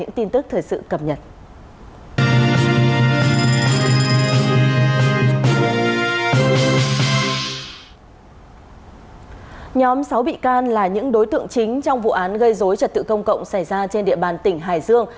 nhóm sáu bị can là những đối tượng chính trong vụ án gây dối trật tự công cộng xảy ra trên địa bàn tỉnh hải dương